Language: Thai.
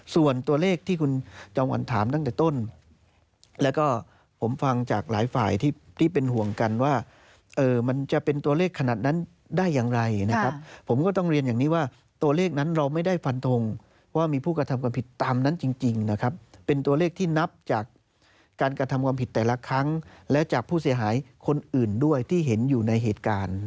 ส่วนตัวเลขที่คุณจอมวันถามตั้งแต่ต้นแล้วก็ผมฟังจากหลายฝ่ายที่เป็นห่วงกันว่ามันจะเป็นตัวเลขขนาดนั้นได้อย่างไรนะครับผมก็ต้องเรียนอย่างนี้ว่าตัวเลขนั้นเราไม่ได้ฟันทงว่ามีผู้กระทำความผิดตามนั้นจริงนะครับเป็นตัวเลขที่นับจากการกระทำความผิดแต่ละครั้งและจากผู้เสียหายคนอื่นด้วยที่เห็นอยู่ในเหตุการณ์